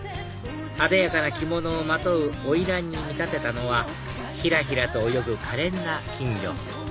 あでやかな着物をまとうおいらんに見立てたのはヒラヒラと泳ぐかれんな金魚